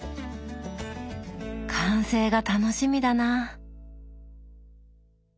完成が楽しみだな。